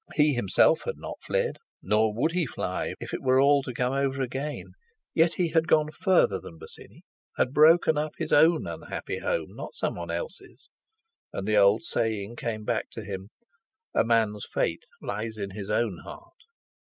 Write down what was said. He himself had not fled, nor would he fly if it were all to come over again. Yet he had gone further than Bosinney, had broken up his own unhappy home, not someone else's: And the old saying came back to him: "A man's fate lies in his own heart."